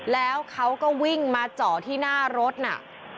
แล้วเขาก็วิ่งมาเจาะที่หน้ารถน่ะ